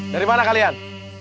dari mana kalian